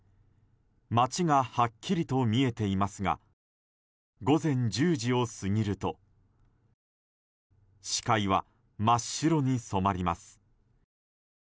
街がはっきりと見えていますが午前１０時を過ぎると視界は真っ白に染まります。